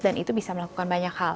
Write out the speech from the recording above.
dan itu bisa melakukan banyak hal